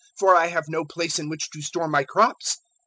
for I have no place in which to store my crops.'